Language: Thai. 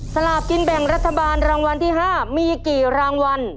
สลากกินแบ่งรัฐบาลรางวัลที่๕มีกี่รางวัล